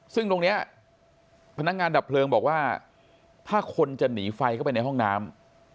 ซึ่งตรงนี้พนักงานดับเพลิงบอกว่าถ้าคนจะหนีไฟเข้าไปในห้องน้ำ